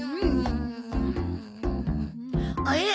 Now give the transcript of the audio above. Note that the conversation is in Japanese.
あれ？